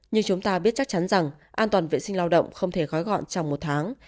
như chúng ta biết chắc chắn rằng an toàn vệ sinh lao động không thể gói gọn trong một tháng